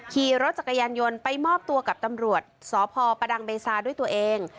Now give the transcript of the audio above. ขี่รถจักรยานยนต์ไปมอบตัวกับตำรวจสพประดังเบซาด้วยตัวเอง